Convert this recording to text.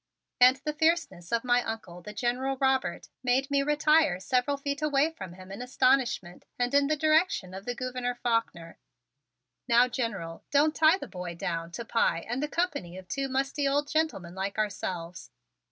And the fierceness of my Uncle, the General Robert, made me retire several feet away from him in astonishment and in the direction of the Gouverneur Faulkner. "Now, General, don't tie the boy down to pie and the company of two musty old gentlemen like ourselves.